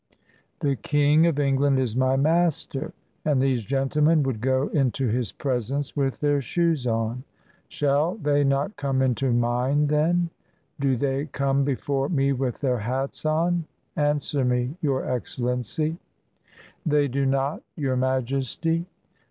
The King of England is my master; and these gentlemen would go into his presence with their shoes on. Shall they not come into mine, then? Do they come before me with their hats on? Answer me, Your Excellency." "They do not. Your Majesty."